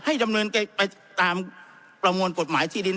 ดำเนินไปตามประมวลกฎหมายที่ดิน